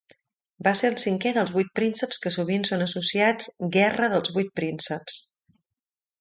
Va ser el cinquè dels vuit prínceps que sovint són associats Guerra dels Vuit Prínceps.